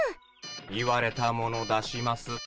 言われたもの出します。